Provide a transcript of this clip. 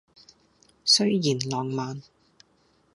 雖然浪漫